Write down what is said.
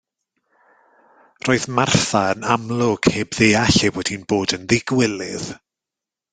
Roedd Martha yn amlwg heb ddeall ei bod hi'n bod yn ddigywilydd.